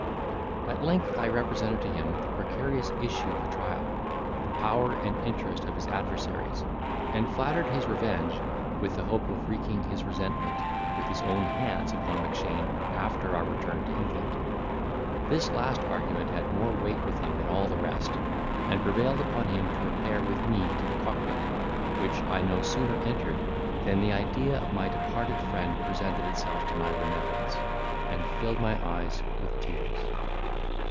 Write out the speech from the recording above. At length I represented to him the precarious issue of a trial, the power and interest of his adversaries, and flattered his revenge with the hope of wreaking his resentment with his own hands upon Mackshane after our return to England. This last argument had more weight with him than all the rest, and prevailed upon him to repair with me to the cockpit, which I no sooner entered, than the idea of my departed friend presented itself to my remembrance, and filled my eyes with tears.